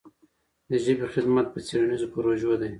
د ژبې خدمت په څېړنیزو پروژو دی.